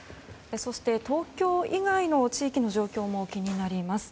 そして東京以外の地域の状況も気になります。